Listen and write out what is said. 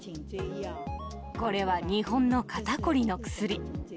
これは日本の肩凝りの薬。